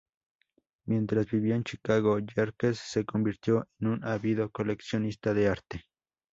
Mientras vivió en Chicago, Yerkes se convirtió en un ávido coleccionista de arte.